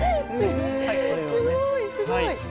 すごいすごい。